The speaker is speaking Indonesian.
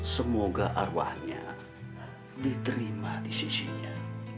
semoga arwahnya diterima di sisinya